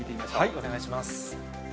お願いします。